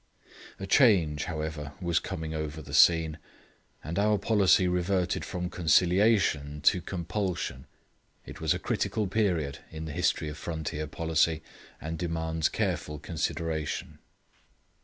A change, however, was coming over the scene, and our policy reverted from conciliation to compulsion. It was a critical period in the history of frontier policy, and demands careful consideration.